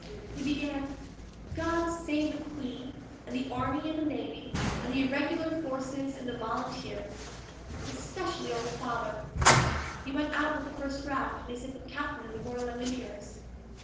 He began, "GOD save the Queen, and the Army and the Navy, and the Irregular Forces and the Volunteers! Especially Old Father (he went out with the first draft, and he's a Captain in the Royal Engineers").